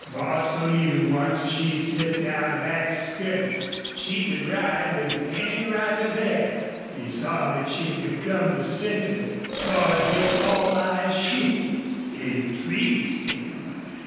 Bostil knew once she slipped out of that skirt she could ride with any rider there. He saw that she had become the center toward which all eyes shifted. It pleased him.